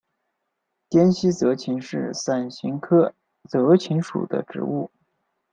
滇西泽芹是伞形科泽芹属的植物。